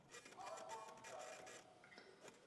Rád bych je ujistil, že ji respektuje.